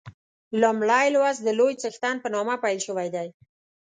لومړی لوست د لوی څښتن په نامه پیل شوی دی.